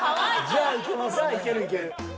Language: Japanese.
じゃあいけるいける。